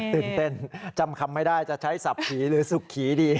ตื่นเต้นจำคำไม่ได้จะใช้สับผีหรือสุขีดี